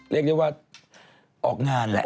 เรียกได้ว่าออกงานแหละ